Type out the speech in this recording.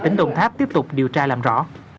tỉnh đồng tháp tiếp tục điều tra làm rõ